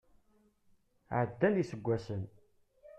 Ɛeddan iseggasen.